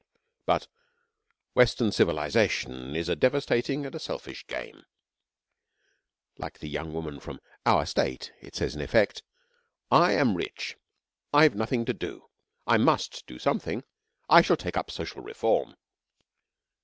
But Western civilisation is a devastating and a selfish game. Like the young woman from 'our State,' it says in effect: 'I am rich. I've nothing to do. I must do something. I shall take up social reform.'